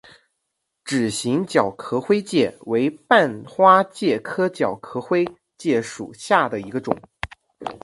指形角壳灰介为半花介科角壳灰介属下的一个种。